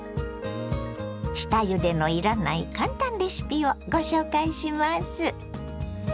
下ゆでのいらない簡単レシピをご紹介します！